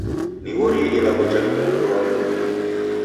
Nighorie ilagho ja lukundo lwa Mlungu.